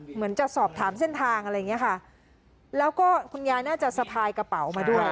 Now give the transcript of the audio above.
เหมือนจะสอบถามเส้นทางอะไรอย่างเงี้ยค่ะแล้วก็คุณยายน่าจะสะพายกระเป๋ามาด้วย